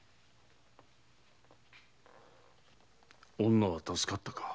女は助かったか。